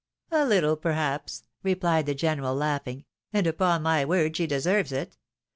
" "A little, perhaps," replied the general, laughing, "and upon my word she deserves it.